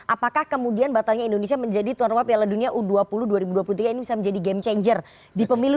apakah kemudian batalnya indonesia menjadi tuan rumah piala dunia u dua puluh dua ribu dua puluh tiga ini bisa menjadi game changer di pemilu dua ribu dua puluh